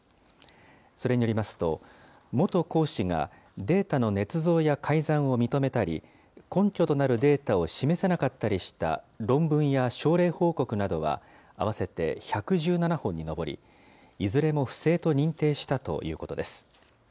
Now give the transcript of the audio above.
それによりますと、元講師がデータのねつ造や改ざんを認めたり、根拠となるデータを示せなかったりした論文や症例報告などは合わせて１１７本に上り、いずれも不正と認定したということです。